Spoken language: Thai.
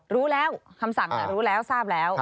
รู้แล้วคำสั่งรู้แล้วทราบแล้ว